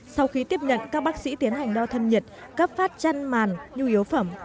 sau khi tiếp nhận các bác sĩ tiến hành đo thân nhiệt cấp phát chăn màn nhu yếu phẩm